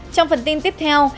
trong phần tin tiếp theo